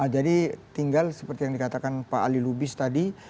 tinggal seperti yang dikatakan pak ali lubis tadi